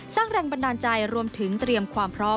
แรงบันดาลใจรวมถึงเตรียมความพร้อม